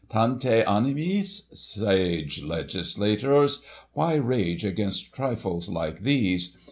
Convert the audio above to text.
" Tanta Animis ?' sage Legislators ! Why rage against trifles like these